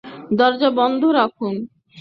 দরজা বন্ধ রাখুন।